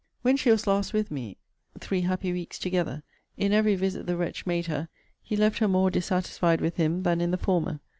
When she was last with me, (three happy weeks together!) in every visit the wretch made her, he left her more dissatisfied with him than in the former.